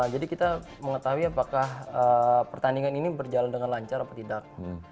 jadi kita mengetahui apakah pertandingan ini berjalan dengan lancar atau tidak